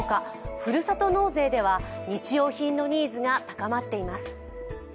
ふるさと納税では日用品のニーズが高まっています。